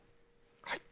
はい。